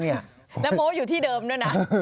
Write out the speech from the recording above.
แล้วโม้อยู่ที่เดิมด้วยนะ